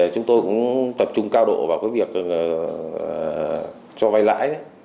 chúng tôi cũng tập trung cao độ vào cái việc cho vay lãi